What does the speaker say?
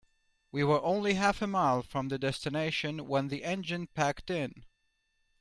We were only half a mile from the destination when the engine packed in.